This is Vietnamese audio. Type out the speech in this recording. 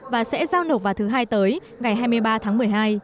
và sẽ giao nộp vào thứ hai tới ngày hai mươi ba tháng một mươi hai